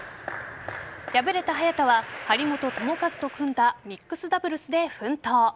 敗れた早田は、張本智和と組んだミックスダブルスで奮闘。